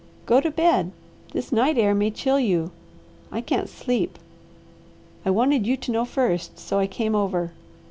Go to bed! This night air may chill you. I can't sleep. I wanted you to know first so I came over.